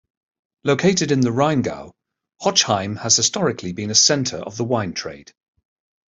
Located in the Rheingau, Hochheim has historically been a centre of the wine trade.